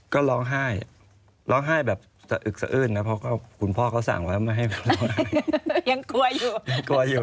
ก็ร้องไห้ร้องไห้แบบสะอึกสะอืนนะเพราะว่าคุณพ่อเขาสั่งว่าไม่ยังกลัวอยู่